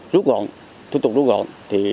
rút gọn thu tục rút gọn